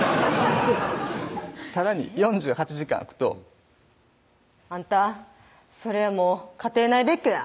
さらに４８時間空くと「あんたそれはもう家庭内別居や」